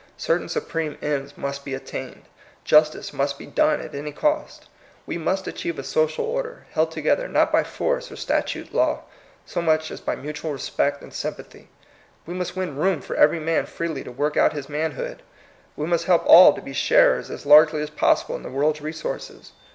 Certain supreme ends must be attained. Justice must be done at any cost. We must achieve a social order, held together, not by force or statute law, so much as by mutual re spect and sympathy. We must win room for every man freely to work out his man hood. We must help all to be sharers as largely as possible in the world's resources.